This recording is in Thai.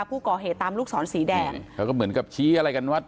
ผู้ก่อเหตุตามลูกศรสีแดงนี่เขาก็เหมือนกับชี้อะไรกันว่า